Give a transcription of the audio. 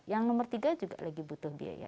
yang nomor tiga juga lagi butuh biaya